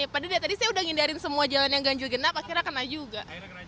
padahal tadi saya udah ngindarin semua jalan yang ganjil genap akhirnya kena juga